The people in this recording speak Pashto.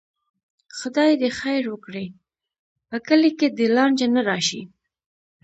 خدای دې خیر وکړي، په کلي کې دې لانجه نه راشي.